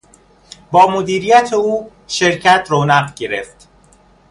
با مدیریت او شرکت رونق گرفت.